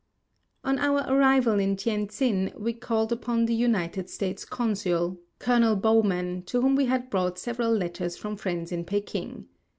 On our arrival in Tientsin we called upon the United States Consul, Colonel Bowman, to whom we had brought several letters from friends in Peking.